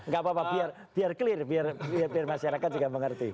gak apa apa biar clear biar masyarakat juga mengerti